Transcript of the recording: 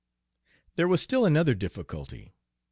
There was still another difficulty.